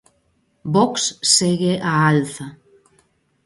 Vox segue á alza.